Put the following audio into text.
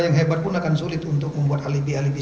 yang hebat pun akan sulit untuk membuat alibi alibi